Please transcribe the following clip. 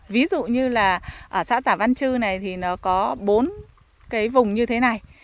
ví dụ như là ở xã tả văn chư này thì nó có bốn cái vùng như thế này